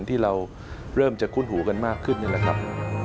ที่เราเริ่มจะคุ้นหูกันมากขึ้นนี่แหละครับ